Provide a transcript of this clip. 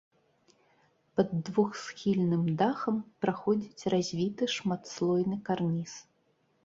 Пад двухсхільным дахам праходзіць развіты шматслойны карніз.